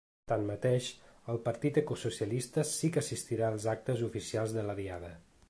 Tanmateix, el partit ecosocialista sí que assistirà als actes oficials de la Diada.